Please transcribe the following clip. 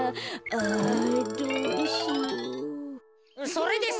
それでさ。